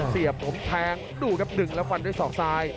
เสียบผมแทงดูครับดึงแล้วฟันด้วยศอกซ้าย